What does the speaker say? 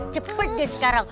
cepat deh sekarang